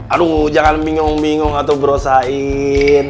aduh jangan bingung bingung atau berusahain